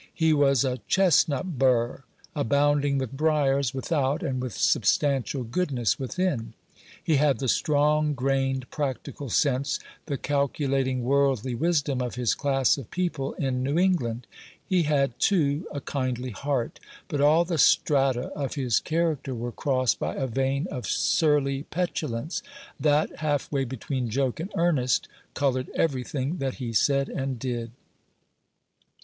He was a chestnut burr, abounding with briers without and with substantial goodness within. He had the strong grained practical sense, the calculating worldly wisdom of his class of people in New England; he had, too, a kindly heart; but all the strata of his character were crossed by a vein of surly petulance, that, half way between joke and earnest, colored every thing that he said and did.